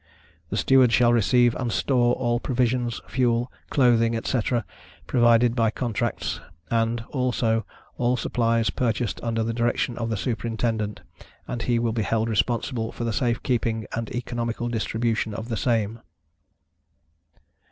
The Steward shall receive and store all provisions, fuel, clothing, etc. provided by contracts, and, also, all supplies purchased under the direction of the Superintendent, and he will be held responsible for the safe keeping and economical distribution of the same.